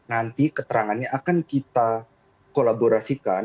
nanti keterangannya akan kita kolaborasikan